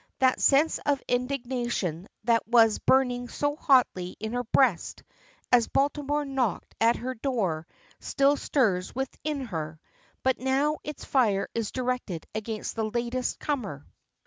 That sense of indignation that was burning so hotly in her breast as Baltimore knocked at her door still stirs within her, but now its fire is directed against this latest comer.